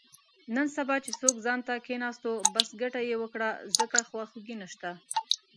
نن سبا چې څوک ځانته کېناستو، بس ګټه یې وکړه، ځکه خواخوږی نشته.